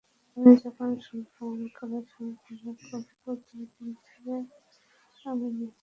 আমি যখন শুনলাম আঙ্কেলের সঙ্গে অভিনয় করব, দুই দিন ধরে আমি নেচেছি।